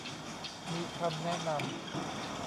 มีคำแนะนำ